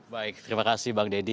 baik terima kasih bang deddy